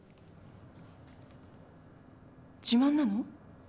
自慢なの？